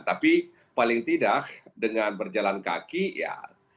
tapi paling tidak dengan berjalan kaki ya